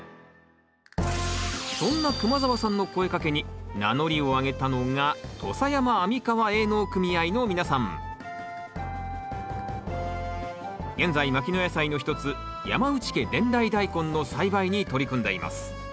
そんな熊澤さんの声かけに名乗りを上げたのが現在牧野野菜の一つ山内家伝来大根の栽培に取り組んでいます。